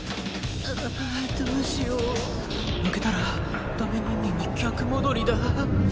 ああどうしよう負けたらダメ人間に逆戻りだ。